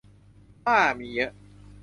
ถ้ามีเยอะ